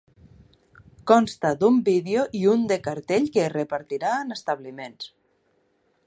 Consta d’un vídeo i un de cartell que es repartirà en establiments.